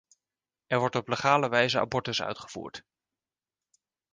Er wordt op legale wijze abortus uitgevoerd.